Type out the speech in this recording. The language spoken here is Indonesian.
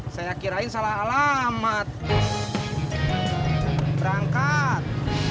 saya kirain salah alamat terus berangkat